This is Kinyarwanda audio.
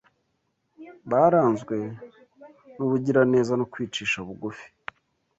baranzwe n’ubugiraneza no kwicisha bugufi